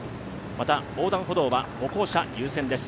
また、横断歩道は歩行者優先です。